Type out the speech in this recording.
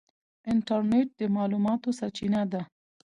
انټرنیټ د معلوماتو سرچینه ده.